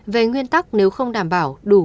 về nguyên tắc nếu không đảm bảo đủ